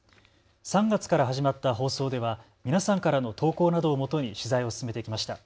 ３月から始まった放送では皆さんからの投稿などをもとに取材を進めてきました。